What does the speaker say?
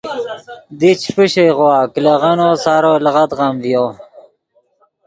دی چے پیشئیغوآ کلیغنّو سارو لیغدغم ڤیو